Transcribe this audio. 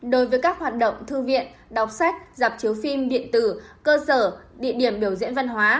đối với các hoạt động thư viện đọc sách dạp chiếu phim điện tử cơ sở địa điểm biểu diễn văn hóa